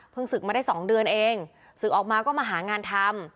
ศึกมาได้๒เดือนเองศึกออกมาก็มาหางานทำ